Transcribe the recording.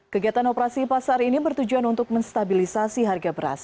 kegiatan operasi pasar ini bertujuan untuk menstabilisasi harga beras